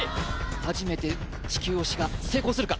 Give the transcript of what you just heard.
初めて地球押しが成功するか？